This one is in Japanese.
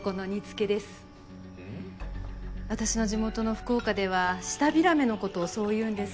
私の地元の福岡ではシタビラメの事をそう言うんです。